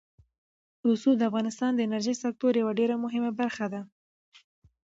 رسوب د افغانستان د انرژۍ سکتور یوه ډېره مهمه برخه ده.